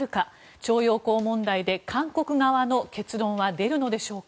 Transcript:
徴用工問題で韓国側の結論は出るのでしょうか。